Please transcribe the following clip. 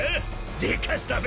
［でかしたべ！